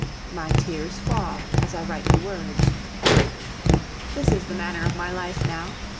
My tears fall as I write the words. This is the manner of my life now.